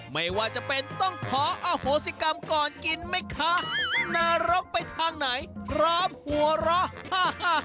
ไม่ว่าจะเป็นต้องขออโหสิกรรมก่อนกินไหมคะนรกไปทางไหนพร้อมหัวเราะฮ่า